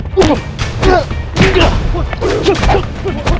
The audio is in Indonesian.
kau nggak lihat si mu mo